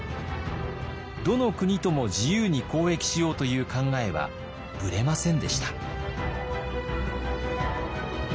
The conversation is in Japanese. どの国とも自由に交易しようという考えはブレませんでした。